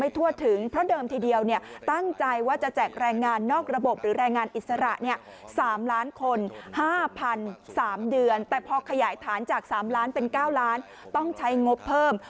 แต่พอขยายฐานจาก๓ล้านเป็น๙ล้านต้องใช้งบเพิ่ม